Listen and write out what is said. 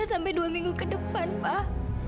tiga sampai dua minggu ke depan pak